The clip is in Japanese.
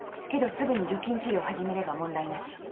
けどすぐに除菌治療を始めれば問題なし。